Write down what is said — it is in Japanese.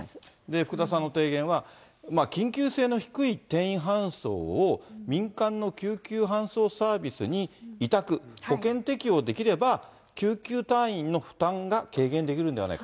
福田さんの提言は、緊急性の低い転院搬送を、民間の救急搬送サービスに委託、保険適用できれば救急隊員の負担が軽減できるのではないか。